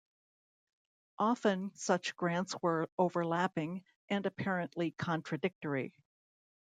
Often such grants were overlapping and apparently contradictory.